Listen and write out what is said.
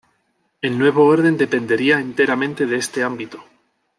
El nuevo orden dependería enteramente de este ámbito.